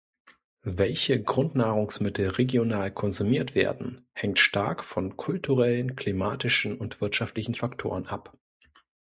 Welche Grundnahrungsmittel regional konsumiert werden, hängt stark von kulturellen, klimatischen und wirtschaftlichen Faktoren ab.